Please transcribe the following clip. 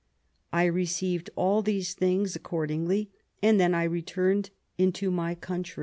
" I received all these things accordingly, and then I returned into my country."